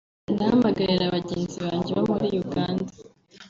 “Ndahamagarira bagenzi banjye bo muri Uganda